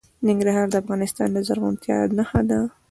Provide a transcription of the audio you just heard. ننګرهار د افغانستان د زرغونتیا نښه ده.